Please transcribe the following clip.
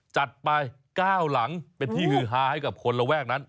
จัดไป๙หลังเป็นที่ฮือฮาให้กับคนระแวกนั้น